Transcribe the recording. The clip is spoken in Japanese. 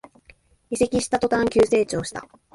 移籍した途端に急成長した